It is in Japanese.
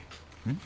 ん？